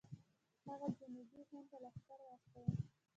هغه جنوبي هند ته لښکر واستوه.